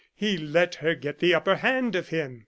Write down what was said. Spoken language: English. he let her get the upper hand of him.